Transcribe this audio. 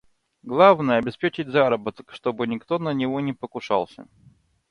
Главное – обеспечить заработок и чтобы никто на него не покушался.